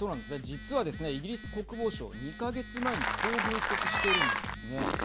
実はですね、イギリス国防省２か月前にこう分析しているんですね。